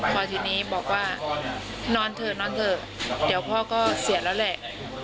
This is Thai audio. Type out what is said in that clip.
พอทีนี้บอกว่านอนเถอะนอนเถอะเดี๋ยวพ่อก็เสียแล้วแหละ